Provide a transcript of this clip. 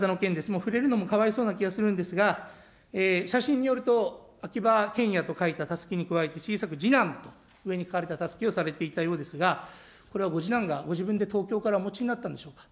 もう触れるのもかわいそうな気がするんですが、写真によると秋葉賢也と書いたたすきに加えて小さく次男、上に書かれたたすきをされていたそうですが、これはご次男がご自分で東京からお持ちになったんでしょうか。